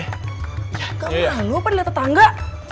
kamu lalu apa dilihat tetangga